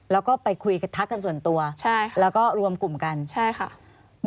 แล้วก็ไปคุยทักกันส่วนตัวแล้วก็รวมกลุ่มกันใช่ค่ะแล้วก็ไปคุยทักกันส่วนตัวแล้วก็รวมกลุ่มกัน